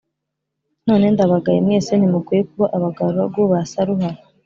None ndabagaye mwese Ntimukwiye kuba abagaragu ba Saruhara